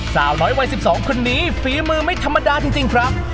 สาวน้อยวัย๑๒คนนี้ฝีมือไม่ธรรมดาจริงครับ